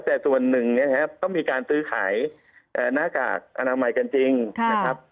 แต่ส่วนหนึ่งก็มีการซื้อขายนากากอนามัยกันจริงนะครับ